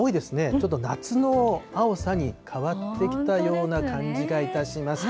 ちょっと夏の青さに変わってきたような感じがいたします。